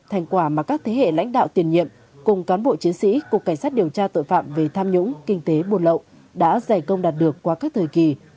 thành quả mà các thế hệ lãnh đạo tiền nhiệm cùng cán bộ chiến sĩ cục cảnh sát điều tra tội phạm về tham nhũng kinh tế buồn lậu đã giải công đạt được qua các thời kỳ